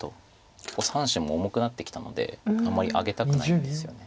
結構３子も重くなってきたのであまりあげたくないんですよね。